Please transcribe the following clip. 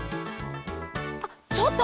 あっちょっと！